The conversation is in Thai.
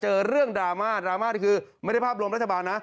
เรื่องดราม่าดราม่านี่คือไม่ได้ภาพรวมรัฐบาลนะ